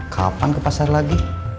kapan ke pasar lagi